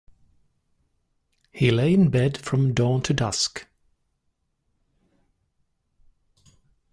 He lay in bed from dawn to dusk.